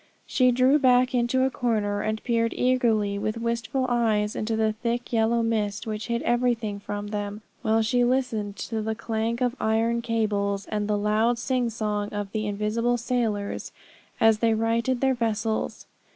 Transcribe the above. She drew back into a corner, and peered eagerly, with wistful eyes, into the thick yellow mist which hid everything from them, while she listened to the clank of iron cables, and the loud sing song of the invisible sailors as they righted their vessels.